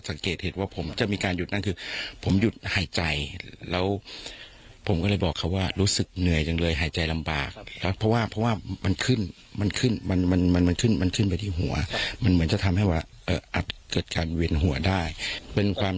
แล้วมันหายใจลำบากมากครับเพราะว่ามันพูดเร็วเร็วโดยที่ไม่ได้มีการหยุดพัก